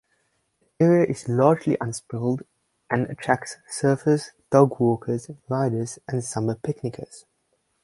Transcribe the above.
The area is largely unspoiled and attracts surfers, dog-walkers, riders and summer picnickers.